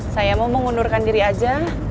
saya mau mengundurkan diri aja